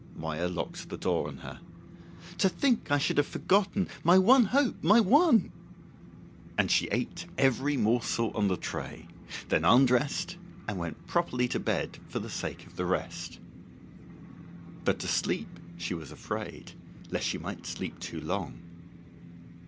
Moya locked the door on her. "To think I should have forgotten! My one hope my one!" And she ate every morsel on the tray; then undressed and went properly to bed, for the sake of the rest. But to sleep she was afraid, lest she might sleep too long.